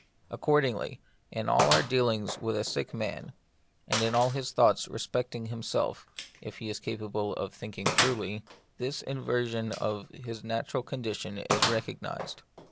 Accordingly, in all our dealings with a sick man, and in all his thoughts respecting him self if he is capable of thinking truly, this inversion of his natural condition is recog nised.